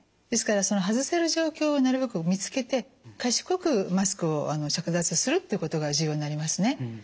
ですから外せる状況をなるべく見つけて賢くマスクを着脱するということが重要になりますね。